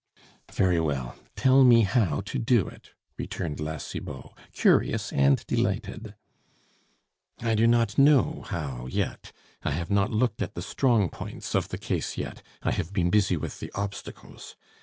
"Very well, tell me how to do it," returned La Cibot, curious and delighted. "I do not know how yet. I have not looked at the strong points of the case yet; I have been busy with the obstacles.